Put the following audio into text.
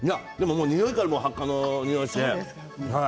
においからハッカのにおいがして。